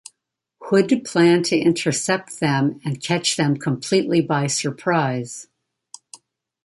Hood planned to intercept them and catch them completely by surprise.